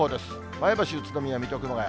前橋、宇都宮、水戸、熊谷。